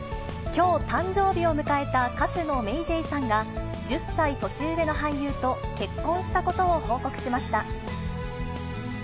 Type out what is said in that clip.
きょう誕生日を迎えた歌手のＭａｙＪ．さんが、１０歳年上の俳優と結婚したことを報告しました。